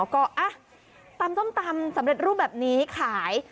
ก็ตำส้มตำสำเร็จรูปแบบนี้ขาย